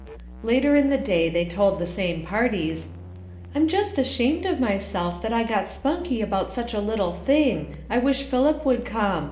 Later in the day they told the same parties, "I'm just ashamed of myself that I got spunky about such a little thing, I wish Philip would come.